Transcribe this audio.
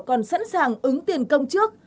còn sẵn sàng ứng tiền công trước